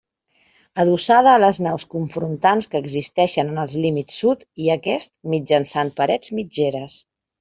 Adossada a les naus confrontants que existeixen en els límits sud i aquest, mitjançant parets mitgeres.